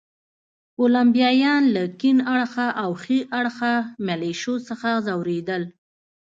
کولمبیایان له کیڼ اړخه او ښي اړخه ملېشو څخه ځورېدل.